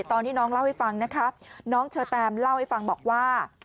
ตอนที่น้องเล่าให้ฟังนะคะน้องเชอแตมเล่าให้ฟังบอกว่า